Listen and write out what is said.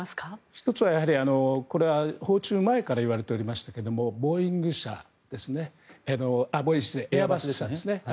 １つは、これは訪中前から言われていましたがエアバスですね。